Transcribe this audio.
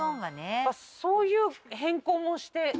そういう変更もして。